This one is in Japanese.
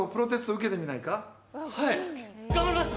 はい頑張ります！